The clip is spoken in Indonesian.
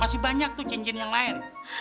masih banyak tuh janjian yang lain